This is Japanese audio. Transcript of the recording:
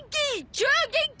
超元気！